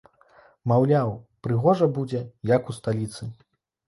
Маўляў, прыгожа будзе, як у сталіцы.